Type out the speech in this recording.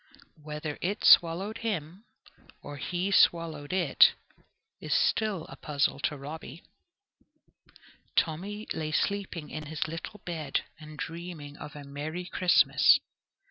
Whether it swallowed him, or he swallowed it, is still a puzzle to Robby. Tommy lay sleeping in his little bed and dreaming of a merry Christmas.